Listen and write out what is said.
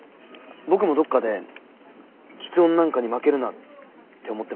僕もどっかで「吃音なんかに負けるな」って思ってました。